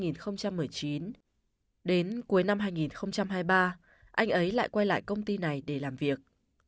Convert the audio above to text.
năm hai nghìn một mươi chín đến cuối năm hai nghìn hai mươi ba anh ấy lại quay lại công ty này để làm việc